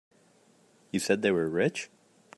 You said they were rich?